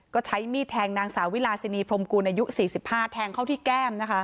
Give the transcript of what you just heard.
ก็ใช้มีดแทงนางสาววิลาซีนีพรมกูนอายุสี่สิบห้าแทงเขาที่แก้มนะคะ